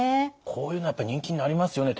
こういうのはやっぱり人気になりますよね